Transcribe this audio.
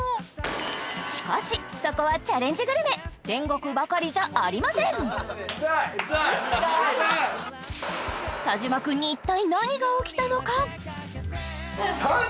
しかしそこはチャレンジグルメ天国ばかりじゃありません田島君に一体何が起きたのか？